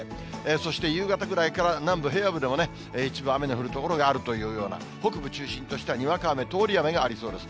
そして夕方ぐらいから南部平野部でも一部、雨の降る所があるというような、北部中心としたにわか雨、通り雨がありそうです。